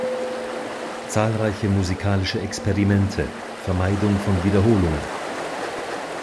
Zahlreiche musikalische Experimente, Vermeidung von Wiederholungen.